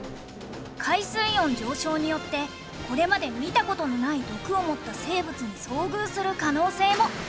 海水温上昇によってこれまで見た事のない毒を持った生物に遭遇する可能性も。